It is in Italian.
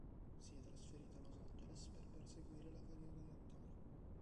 Si è trasferito a Los Angeles per perseguire la carriera di attore.